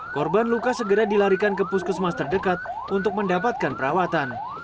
korban luka segera dilarikan ke puskesmas terdekat untuk mendapatkan perawatan